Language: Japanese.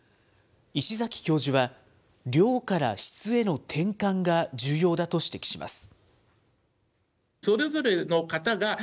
石崎教授は、量から質への転換が重要だと指摘します。